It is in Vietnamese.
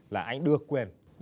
là anh đưa quyền